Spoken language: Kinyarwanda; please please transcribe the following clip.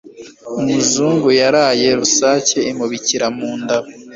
umuzungu yaraye rusake imubikira munda